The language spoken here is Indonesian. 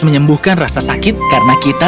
menyembuhkan rasa sakit karena kita